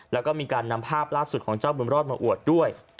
แล้วก็มีการนำภาพล่าสุดของเจ้าบุญรอดมาอวดด้วย